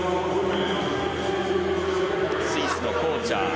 スイスのコーチャー。